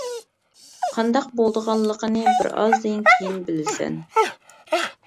-قانداق بولىدىغانلىقىنى بىر ئازدىن كېيىن بىلىسەن.